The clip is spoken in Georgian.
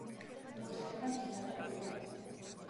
უერთდება მდინარე ყვირილას.